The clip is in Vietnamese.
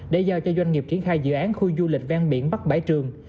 để giao cho doanh nghiệp triển khai dự án khu du lịch ven biển bắc bãi trường